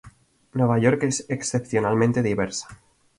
Nueva York es excepcionalmente diversa.